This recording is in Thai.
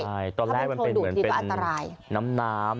ใช่ตอนแรกมันเป็นเหมือนเป็นน้ำ